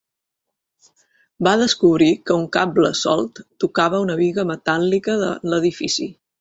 Va descobrir que un cable solt tocava una biga metàl·lica de l'edifici.